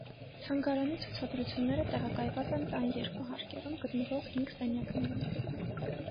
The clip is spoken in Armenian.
Թանգարանի ցուցադրությունները տեղակայված են տան երկու հարկերում գտնվող հինգ սենյակներում։